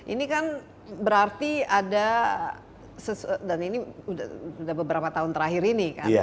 ini kan berarti ada dan ini sudah beberapa tahun terakhir ini kan